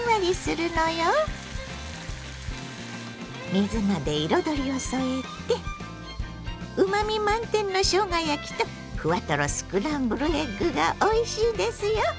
水菜で彩りを添えてうまみ満点のしょうが焼きとふわとろスクランブルエッグがおいしいですよ。